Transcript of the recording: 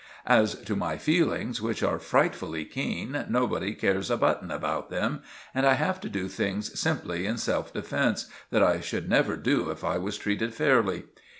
As to my feelings, which are frightfully keen, nobody cares a button about them and I have to do things, simply in self defence, that I should never do if I was treated fairly.